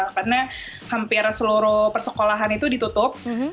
karena hampir seluruh persekolahan itu ditutup